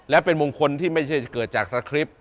และเป็นมงคลที่ไม่ใช่เกิดจากสคริปต์